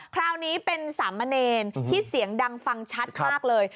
คราวนี้เป็นสามเณรที่เสียงดังฟังชัดมากเลย